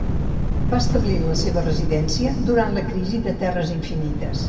Va establir la seva residència durant la crisi de terres infinites.